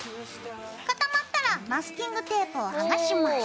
固まったらマスキングテープを剥がします。